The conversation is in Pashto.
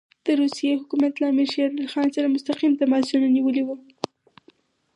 د روسیې حکومت له امیر شېر علي سره مستقیم تماسونه نیولي دي.